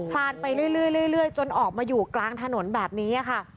ลานไปเรื่อยจนออกมาอยู่กลางถนนแบบนี้ค่ะ